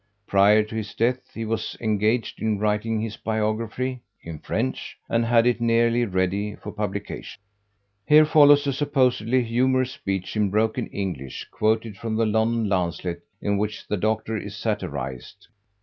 Prior to his death he was engaged in writing his biography (in French) and had it nearly ready for publication. Here follows a supposedly humorous speech in broken English, quoted from the London Lancet, in which the Doctor is satirized.